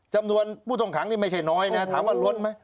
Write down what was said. จำนวนผู้ต้องขังนี่ไม่ใช่น้อยนะถามว่าล้นไหม